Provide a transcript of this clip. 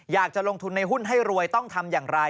อยากจะลงทุนในหุ้นให้รวยต้องทำอย่างไร